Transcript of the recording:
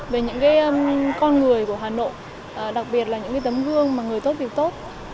về những con người của hà nội đặc biệt là những tấm gương mà người tốt việc tốt